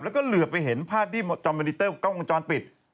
แล้วก็เหลือไปเห็นภาพที่จอมเมนิเตอร์กล้องวงจรปิด